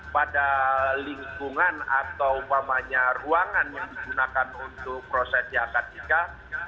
pada lingkungan atau umpamanya ruangan yang digunakan untuk prosesi akad nikah